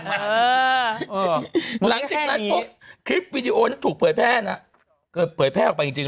เออหลังจากนั้นคลิปวีดีโอถูกเผยแพร่นะก็เผยแพร่ออกไปจริง